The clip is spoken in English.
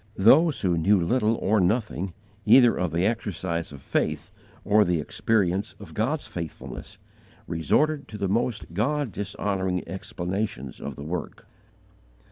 Those who knew little or nothing, either of the exercise of faith or the experience of God's faithfulness, resorted to the most God dishonouring explanations of the work.